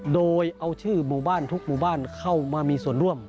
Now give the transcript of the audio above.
โดยเอาชื่อหมู่บ้านทุกหมู่บ้านเข้ามามีส่วนร่วม